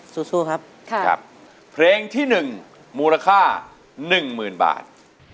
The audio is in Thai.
สู้ค่ะสู้ครับครับเพลงที่๑มูลค่า๑๐๐๐๐บาท